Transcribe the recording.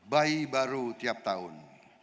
bahi baru tiap tahun